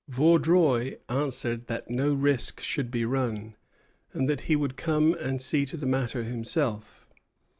Vaudreuil answered that no risk should be run, and that he would come and see to the matter himself.